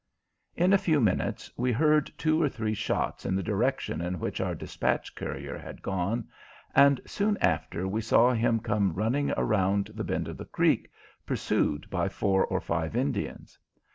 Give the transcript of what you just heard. In a few minutes we heard two or three shots in the direction in which our dispatch courier had gone, and soon after we saw him come running around the bend of the creek, pursued by four or five Indians.